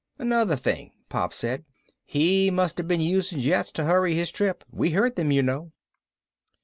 "Another thing," Pop said. "He must have been using jets to hurry his trip. We heard them, you know."